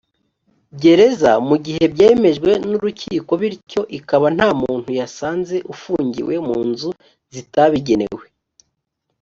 gereza mu gihe byemejwe n urukiko bityo ikaba nta muntu yasanze ufungiwe mu nzu zitabigenewe